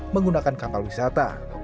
menggunakan kapal wisata